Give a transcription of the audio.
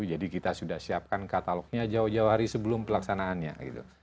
jadi kita sudah siapkan katalognya jauh jauh hari sebelum pelaksanaannya gitu